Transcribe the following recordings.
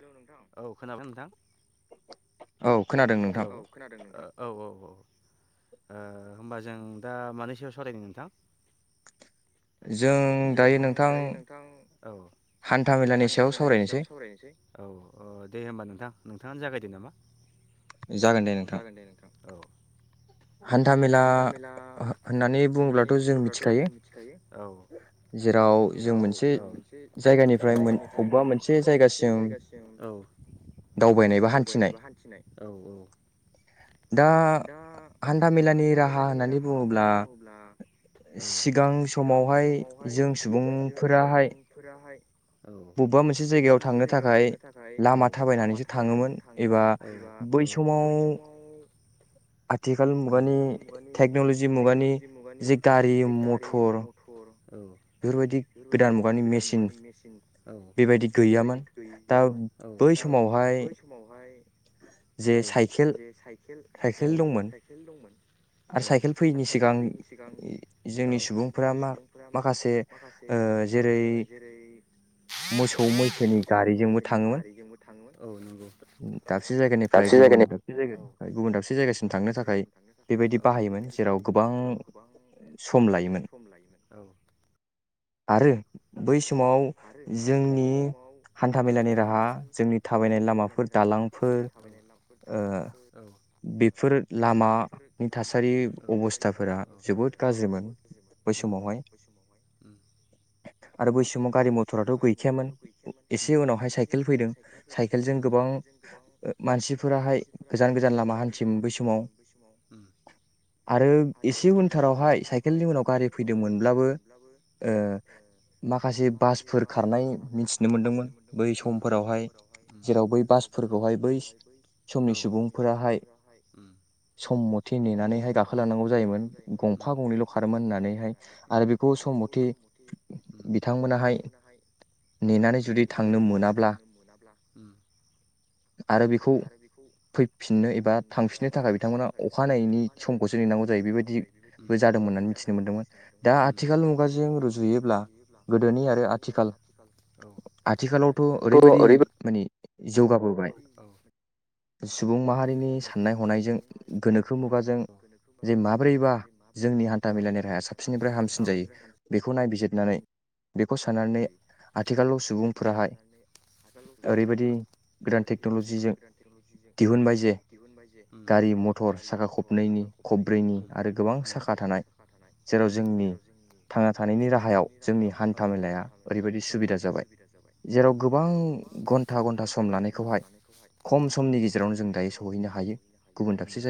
Hello नोंथां औ खोनादों नोंथां हेल' खोनादों औ-औ अ होमबा जों दा मानि सायाव सावरायगोन नोंथां जों दायो नोंथां औ हान्था मेलानि सायाव सावरायनोसै औ-औ दे होमबा नोंथां नोंथाङानो जागाय दो नामा जागोन दे नोंथां औ हान्थामेला होननानै बुङोब्लाथ' जों मिथिखायो औ जेराव जों मोनसे जायगानिफ्राय अबेबा मोनसे जायगासिम दावबायनाय बा हान्थिनाय औ-औ दा हान्था मेलानि राहा होननानै बुङोब्ला सिगां समावहाय जों सुबुंफोराहाय बबेबा मोनसे जायगायाव थांनो थाखाय लामा थाबायनानैसो थाङोमोन एबा बै समाव आथिखाल मुगानि टेकनलजि मुगानि जे गारि मथर औ [unintelligible] बेफोरबायदि गोदान मुगानि मेसिन औ बेबायदि गैयामोन औ दा बै समावहाय औ जे साइखेल औ साइखेल दंमोन औ आरो साइकेल फैयैनि सिगां औ जोंनि सुबुंफोरा। मा माखासे ओ जेरै मोसौ मैसोनि गारिजोंबो थाङोमोन औ नंगौ। ओमफ्राय गुबुन दाबसे जायगानिफ्राय गुबुन दाबसे जायगासिम थांनो थाखाय बेबायदि बाहायोमोन जेराव गोबां सम लायोमोन। [inaudible] आरो बैस समाव जोंनि हान्थामेलानि राहा जोंनि थाबायनाय लामाफोर दालांफोर ओ बेफोर लामानि थासारि अबस्थाफोरा जोबोद गाज्रिमोन बै समावहाय। आरो बै सम आरो बै समाव गारि मथराथ‌ गैखायामोन एसे उनावहाय साइकेल फैदों साइकेलजों गोबां मानसिफोराहाय गोजान गोजान लामा हान्थियोमोन बै समाव आरो एसे उनथारावहाय साइकेलनि उनाव गारि फैदोंमोन। अब्लाबो उम ओ। माखासे बासफोर खारनाय मिथिनो मोनदोंमोन बै समफोरावहाय उम जेराव बै बासफोरखौहाय बै समनि सुबुंफोराहाय सम मथे नेनानैहाय गाखोलांनांगौ जायोमोन गंफा गंनैल खारोमोन होननानैहाय सम मथे बिथां बिथांमोनाहाय नेनानै जुदि थांनो मोनाब्ला उम आरो बेखौ फैफिननो एबा थांफिननो थाखाय बिथांमोना अखानायैनि समखौसो नेनांगौ जायो बेबायदिबो उम जादोंमोन होननानै उम मिथिनो मोन्दोंमोन। आथिखाल मुगाजों रुजुयोब्ला गोदोनि आरो आथिखाल आथिखालावथ ओरैबायदि माने जौगाबोबाय। सुबुं माहारिनि साननाय हनायजों गोनोखो मुगाजों जे माब्रैबा जोंनि हान्था मेलानि राहाया साबसिननिफ्राय हामसिन जायो बेखौ नायबिजिरनानै जायो न बेखौ साननानै आगोलाव सुबुंफोरा ओरैबायदि गोदान टेक्नलजिजों दिहुनबाय जे गारि मथर साखा खबनैनि खब्रैनि गोबां साखा थानाय जेराव जोंनि थांना थानायनि राहायाव जोंनि हान्था मेला हान्था मेेलाया ओरैबायदि सुबिदा जाबाय उम‌जेराव गोबाङै घन्टा घन्टा खम लानायखौहाय खम समनि गेजेरावनो जों दायो सहैनो हायो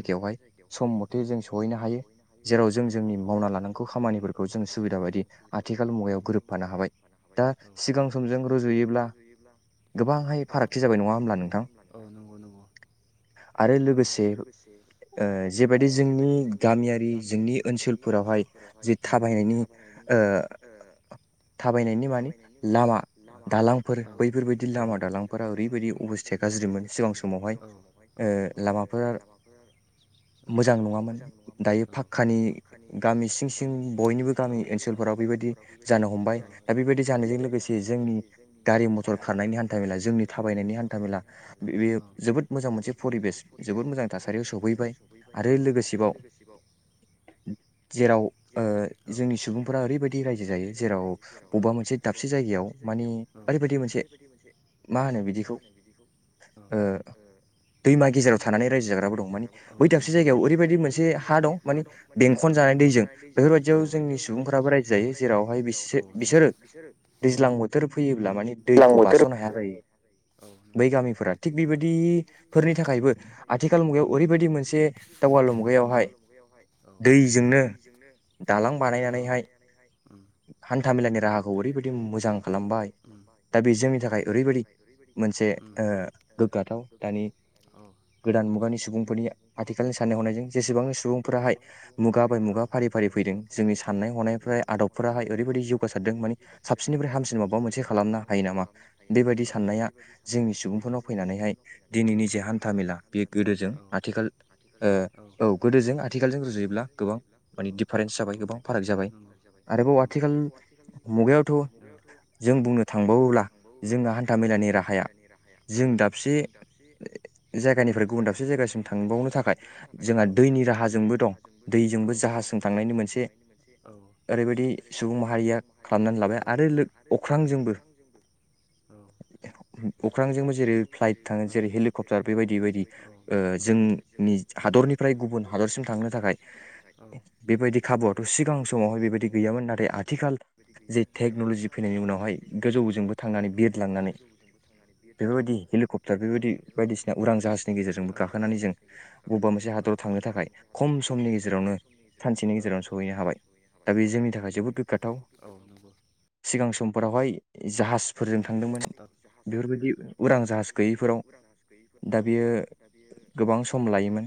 गुब मोनसे जायगायावहाय सम मथे जों सहैनो हायो जेराव जों जोंनि मावना मावनांगौखौ सुबिदा बायदि आथिखाल मुगायाव गोरोबफानो हा दा सिगां समजों रुजुयोब्ला गोबांहाय फारागथि जाबाय नङा होमब्ला नोंथां आरो लोगोसे ओ जेबायदि जोंनि गामियारि जोंनि ओनसोलफोरावहाय जे थाबायनायनि ओ थाबायनायनि मानि लामा दालांफोर बेफोरबायदि लामा दालांफोरा ओरैबायदि अबस्थाया गाज्रिमोन जों समावहाय ओ लामाफोरा मोजां नङामोन दायो फाखकानि थिं बयनिबो गामि ओनसोलफोराव बेबायदि जानो हम हमबाय दा बेबायदि जानायजों लोगोसे जोंनि गारि मथर खारनायनि हान्था मेला जोंनि थाबायनायनि हान्था मेला बे बेयो जोबोद मोजां मोनसे फरिबेस जोबोद मोजां थासारियाव सबैबाय आरो लोगोसेबाव जेराव ओ जोंनि सुबुंफोरा ओरैबायदि रायजो जायो जे जेराव बबबा मोनसे दाबसे जायगायाव मानि ओरैबायदि मोनसे मा होनो बिदिखौ ओ‌ दैमा गेजेराव थानानै रायजो जाग्राबो दं मानि बै दाबसे जायगायाव ओरैबायदि मोनसे हा दं मानि बेंखन जानाय दैजों बेफोरबायदियाव जोंनि सुबुंफोराबो रायजो जायो जेरावहाय बिसोरो दैज्लां बोथोर फैयोब्ला माने दैखौ बारस'नो हाया जायो बै गामिफोरा थिग बेबायदिफोरनि थाखायबो आथिखाल मुगायाव ओरैबायदि मोनसे दावगालु मुगायावहाय दैजोंनो दालां बानायनानैहाय हान्था मेलानि राहाखौ ओरैबायदि मोजां खालामबाय दा बे जोंनि थाखाय ओरैबायदि मोनसे ओ गोग्गाथाव दानि गोदान मुगानि सुबुंफोरनि आथिखालनि साननाय हनायजों जेसेबां सुबुंफोराहाय मुगा बाय मुगा फारि फारि फैदों जोंनि साननाय हनायफ्रा आदबफोराहाय ओ ओरैबायदि जौगासारदों माने साबसिननिफ्राय हामसिन माबा मोनसे खालामनो हायो नामा बेबायदि साननाया जोंनि सुबुंफोरनाव फैनानैहाय दिनैनि जे हान्था मेला बे गोदोजों आथिखाल औ गोदोजों आथिखालजों रुजुयोब्ला गोबां माने दिफारेन्स जाबाय गोबां फाराग जाबाय आरोबाव आथिखाल आरोबाव आथिखालनि मुगायावथ' जों बुंनो थांबावोब्ला औ जोंहा हान्था मेलानि राहाया जों दाबसे जायगानिफ्राय गुबुन दाबसे जायगासिम थांबावनो थाखाय जोंहा दैनि राहाजोंबो दं। जाहाजजों थांनायनि मोनसे ओरैबायदि सुबुं माहारिया खालामनानै लाबाय आरो अख्रांजोंबो अख्रांजोंबो जेरै फ्लाइट थाङो जेरै हेलिकप्टार बेबायदि बायदि जोंनि हादरनिफ्राय गुबुन हादरसिम थांनो थाखाय बेबायदि खाबुआथ' सिगां समावहाय बेबायदि गैयामोन ना आथिखाल जे टेक्न'लजि फैनायनि उनावहाय गोजौजोंबो थांनानै बिरलांनानै बेफोरबायदि हेलिकप्टार बेफोरबायदि बायदिसिना उरां जाहाजनि गेजेरजोंबो गाखोनानै जों बबेबा मोनसे हादराव थांनो थाखाय खम समनि गेजेरावनो सानसेनि गेजेरावनो सहैनो हाबाय दा बे जोंनि थाखाय दा बे जोंनि थाखाय जोबोद [unintelligible] औ नंगौ फोरावहाय जाहाजफोरजों थांदोंमोन बेफोरबायदि उरां जाहाज गैयैफोराव दा बियो गोबां सम लायोमोन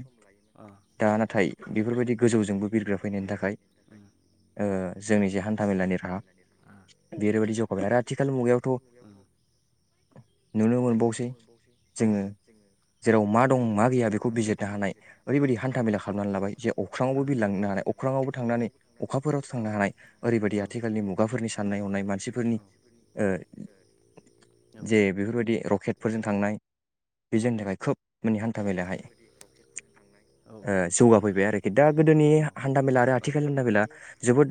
दा नाथाय बेफोरबायदि गोजौब ॆ। जोंबो बिरग्रा फैनायनि थाखाय ओ जोंनि जे हान्था मेलानि राहा बेरैबायदि जौगाबाय आरो आथिखाल मुगायावथ' नुनो मोनबावसै जोङो जेराव मा दं मा गैया बेखौ बिजिरनो हानाय ओरैबायदि हान्थामेला खालामनानै लाबाय जे अख्राङावबो बिलांनो हानाय अख्रांआवबो थांनानै अखाफोरावथ' थांनो हानाय ओरैबायदि आथिखालनि मुगाफोरनि साननाय हनाय मानसिफोरनि ओ। जे बेफोरबायदि रकेटफोरजों थांनाय बे जोंनि थाखाय खोब माने हान्था मलाहाय ओ जौगाफैबाय आरोखि दा गोदोनि हान्थामेला आरो आथिखाल हान्थामेला जोबोद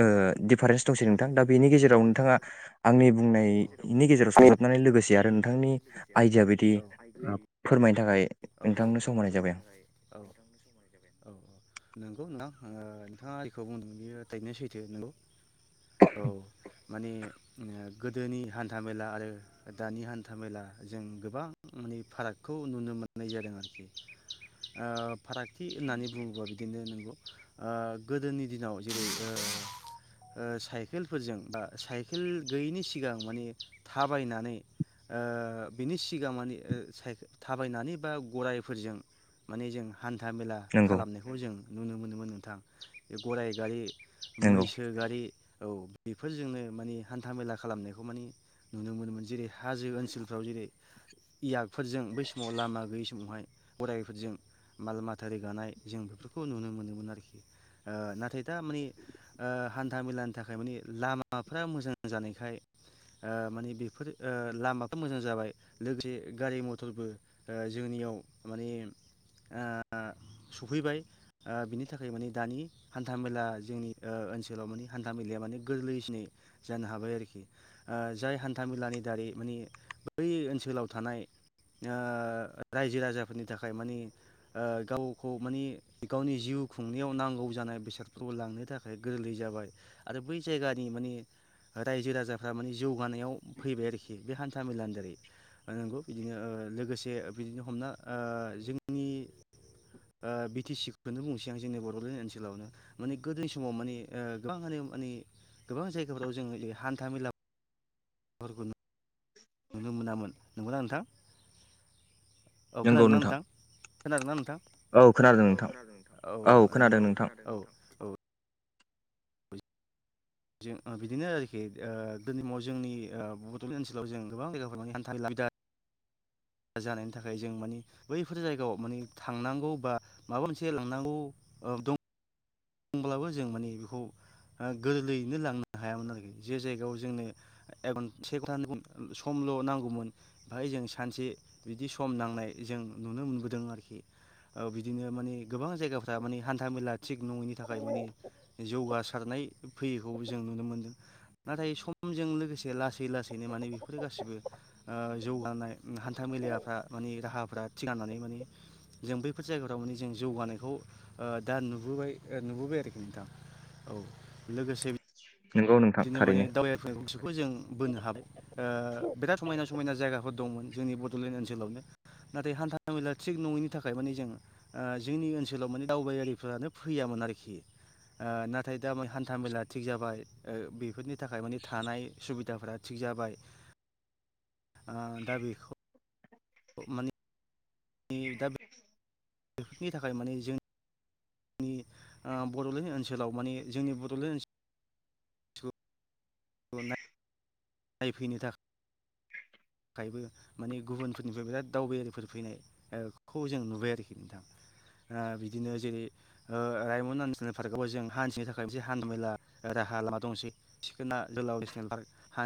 ओ डिफारेन्स दंसै नोंथां दा बेनि गेजेराव नोंथाङा आंनि बुंनायनि गेजेराव सरजाबनानै लोगोसे आरो नोंथांनि आइडिया बायदि फोरमायनो थाखाय औ औ औ फोरमायनो थाखाय औ औ नोंगौ नोंथां ओ नोंथाङा जेखौ बुंदों बियो थारैनो सैथो नंगौ औ माने गोदोनि हान्था मेला आरो दानि हान्था मेला जों गोबां माने फारागखौ नुनो मो मोननाय जादों आरोखि ओ फारागथि होननानै बुङोबा बिदिनो नंगौ। आ गोदोनि दिनाव जेरै साइकेलफोरजों बा साइकेल गैयैनि सिगां माने थाबायनानै बिनि सिगां माने थाबायनानै बा गरायफोरजों माने जों हान्था मेला खालामनायखौ जों नुनो मोनोमोन नोंथां बे गराइ गारि मैसो गारि औ बेफोरजोंनो माने हान्था मेला खालामनायखौ माने नुनो मोनोमोन जेरै हाजो ओनसोलफ्राव जेरै इयाग फोरजों बै समाव लामा समावहाय गरायफोरजों माल माथा रोगानाय जों बेफोरखौ नुनो मोनोमोन आरोखि ओ नाथाय दा माने ओ हान्था मेलानि थाखाय माने लामाफ्रा मोजां जानायखाय ओ माने बेफोर ओ लामाफ्रा मोजां जाबाय लोगोसे गारि म'थरबो ओ जोंनियाव माने ओ सफैबाय बिनि थाखाय माने दानि हान्थाामेला जोंनि ओनसोलाव माने हान्था मेलाया माने गोरलैसिनै जानो हाबाय आरोखि जाय हान्था मेलानि दारै माने बै ओनसोलाव थानाय रायजो राजाफोरनि थाखाय माने गावखौ माने गावनि जिउ खुंनायाव नांगौ जानाय बेसादफोरखौ लांनो थाखाय गोरलै जाबाय आरो बै जायगानि माने रायजो राजाफ्रा माने जौगानायाव फैबाय आरोखि बे हान्था मेलानि दारै नंगौ बिदिनो लोगोसे बिदिनो हमना ओ जोंनि ओ बि टि सिखौनो बुंसै आं जोंनि बड'लेण्ड ओनसोलावनो माने गोदोनि समाव माने ओ गोबांआनो माने गोबां जायगाफोराव जोंङो हान्था मेला फोरखौनो नुनो मोनामोन। नंगौना नोंथां औ खोनादों ना नोंथां खोनादोंना नोंथां औ खोनादों नोंथां औ औ औ खोनादों औ औ। जों बिदिनो आरोखि ओ गोदोनि समाव जोंनि बड'लेण्ड ओनसोलाव जों गोबां जायगाफोर लानानै हान्थालि लाइदा जानायनि थाखाय जों मानि बैफोर जायगायाव माने थांनांगौ बा माबा मोनसे लांनांगौ दं दंब्लाबो जों माने बेखौ गोरलैयैनो लांनो हायामोन आरोखि जे जायगायाव जोंनो एक घटा से घन्टा समल' नांगौमोन बहाय जों सानसे बिदि सम नांनाय जों नुनो मोनबोदों आरोखि बिदिनो माने गोबां जायगाफ्रा माने हान्था मेला थिग नङैनि नि थाखाय माने जौगासारनाय फैयैखौ जों नुनो मोनदों नाथाय समजों लोगोसे लासै लासैनो माने बेफोरो गासैबो जौगानाय हान्था मेेलफ्रा माने राहाफ्रा थिगनानै माने जों बैफोर जायगाफ्राव माने जों जौगानायखौ दा नुबोबाय नुबोबाय आरोखि नोंथां औ लोगोसे नोंगौ नोंथां थारैनो। खौ जों बोनो हाबाय बिराद समायना समायना जायगाफोर दंमोन जोंनि बड'लेण्ड ओनसोलावनो नाथाय हान्था मेला थिग नङैनि थाखाय माने जों जोंनि ओनसोलाव माने दावबायारिफोरानो फैयामोन आरोखि नाथाय दामाने हान्था मेला थिग जाबाय। ओ बेफोरनि थाखाय माने थानाय सुबिदाफोरा थिग जाबाय दा बेखौ माने बे दाब बेफोरनि थाखाय माने जों जोंनि बड'लेण्ड ओनसोलाव माने जोंनि बड'लेण्ड ओनसोल। नायफैनो थाखाय थाखायबो माने गुबुनफोरनिफ्राय बिराद दावबायारिफोर फैनायखौ जों नुबाय आरोखि नोंथाङा बिदिनो जेरै रायमना नेसनेल पार्कआवबो जों हान्थिनो थाखाय मोनसे हान्था मेला राहा लामा दंसै सिखोना जोहोलाव नेसनेल पार्क ह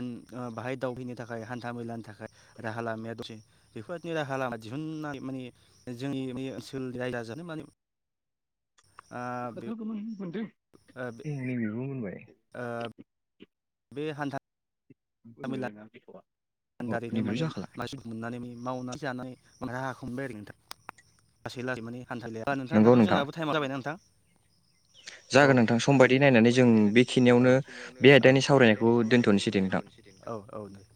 बाहाय दावबायैनो थाखाय हान्था मेलानि थाखाय राहा लामाया दसे बेफोरबायिनो राहा लामा दिहुननाय माने जोंनि बे ओनसोलनि रायजो राजायानो माने खोथाबमोन मोनदों। एह बुंबाय ओ बे हान्था [unintelligible] आन्दारैनो माने मानसिखौ मोननानै मावनानै [unintelligible] हथालिया ओमबा नोंथां दाथ जोंनाबो थायेमा जाबाय ना नोंथां? औ जागोन नोंथां समबायदि नायनानैजों औ बेखिनियावनो औ बे आयदानि सावरायनायखौ दोनथनोसैदे औ औ दे।